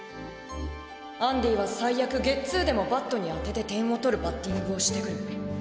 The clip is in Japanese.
アンディは最悪ゲッツーでもバットにあてて点を取るバッティングをしてくる。